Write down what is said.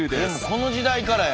この時代からや。